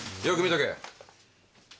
よく見とけ。